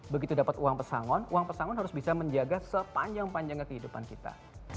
begitu dapat uang pesangon uang pesangon harus bisa menjaga sepanjang panjangnya kehidupan kita